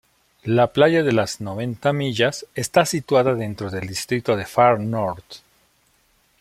La Playa de las noventa millas está situada dentro del distrito de Far North.